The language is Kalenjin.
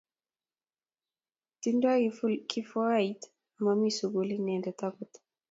Tindo kifuait amami sukul inendet akot